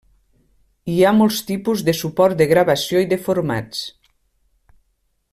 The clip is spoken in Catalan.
Hi ha molts tipus de suports de gravació i de formats.